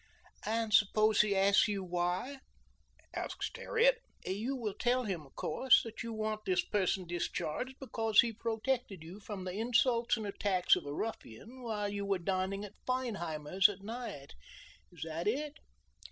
"And suppose he asks you why?" asked Harriet. "You will tell him, of course, that you want this person discharged because he protected you from the insults and attacks of a ruffian while you were dining in Feinheimer's at night is that it?"